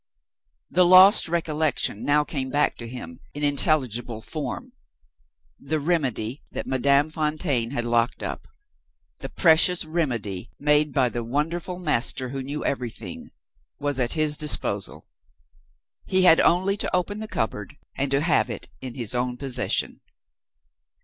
The lost recollection now came back to him in intelligible form. The "remedy" that Madame Fontaine had locked up the precious "remedy" made by the wonderful master who knew everything was at his disposal. He had only to open the cupboard, and to have it in his own possession.